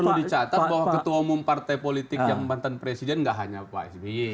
justru dicatat bahwa ketua umum partai politik yang mantan presiden nggak hanya pak sby